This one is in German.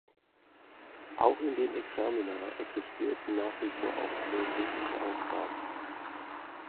Auch in den Examina existierten nach wie vor auch theoretische Aufgaben.